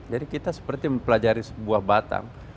jadi kita seperti mempelajari sebuah batang